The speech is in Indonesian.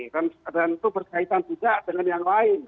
dan itu berkaitan juga dengan yang lain